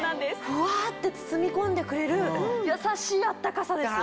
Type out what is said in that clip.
ふわって包み込んでくれるやさしい暖かさです。